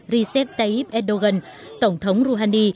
recep tayyip erdogan tổng thống rouhani